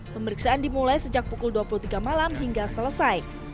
pemeriksaan dimulai sejak pukul dua puluh tiga malam hingga selesai